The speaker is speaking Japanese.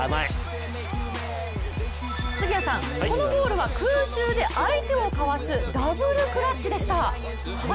このゴールは空中で相手をかわすダブルクラッチでした。